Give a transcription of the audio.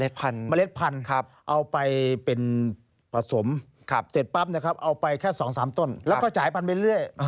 สองสามต้นแล้วก็จ่ายพันธุ์ไปเรื่อย